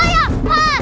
ya upstream ya